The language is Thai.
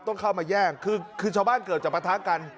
ต้องเข้ามาแย่งคือชาวบ้านเกิดจะปะทะกัน